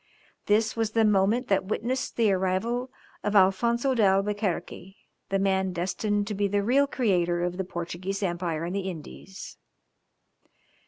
This was the moment that witnessed the arrival of Alfonzo d'Albuquerque, the man destined to be the real creator of the Portuguese Empire in the Indies.